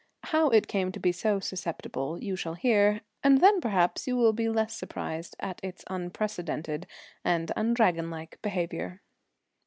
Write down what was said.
How it came to be so susceptible you shall hear, and then, perhaps, you will be less surprised at its unprecedented and undragonlike behaviour.